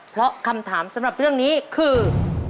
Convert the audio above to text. เพราะคำถามสำหรับเรื่องนี้คือ